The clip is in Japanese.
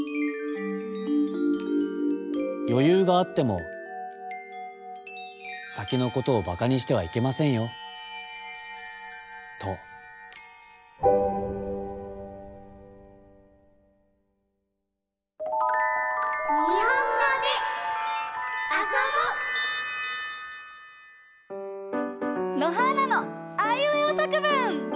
「よゆうがあってもさきのことをばかにしてはいけませんよ」と。のはーなの「あいうえおさくぶん」！